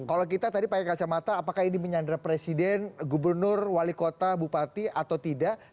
kalau kita tadi pakai kacamata apakah ini menyandra presiden gubernur wali kota bupati atau tidak